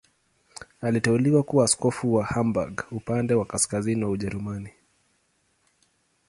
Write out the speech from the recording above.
Aliteuliwa kuwa askofu wa Hamburg, upande wa kaskazini wa Ujerumani.